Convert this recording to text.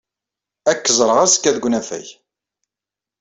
Ad k-ẓreɣ azekka deg unafag.